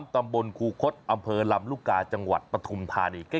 ตำบลคูคศอำเภอลำลูกกาจังหวัดปฐุมธานี